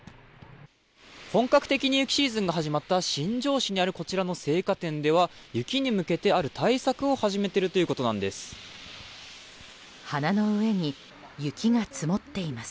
本格的に雪シーズンが始まった新庄市にあるこちらの生花店では雪に向けてある対策を始めているということなんです。